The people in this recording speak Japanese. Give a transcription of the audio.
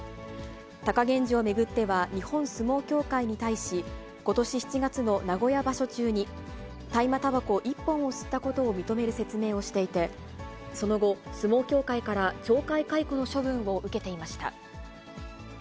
貴源治を巡っては、日本相撲協会に対し、ことし７月の名古屋場所中に、大麻たばこ１本を吸ったことを認める説明をしていて、その後、相撲協会から懲戒解雇の処分を受けていました。